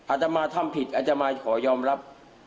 อาธรรมาทำผิดอาธรรมาขอยอมรับ